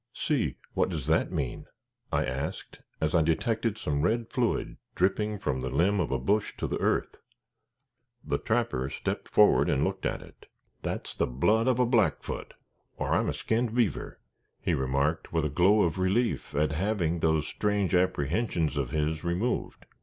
See! what does that mean?" I asked, as I detected some red fluid dripping from the limb of a bush to the earth. The trapper stepped forward and looked at it. "That's the blood of a Blackfoot, or I'm a skinned beaver!" he remarked, with a glow of relief at having those strange apprehensions of his removed.